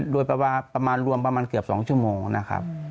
โดยประมาณรวมประมาณเกือบ๒ชั่วโมงนะครับ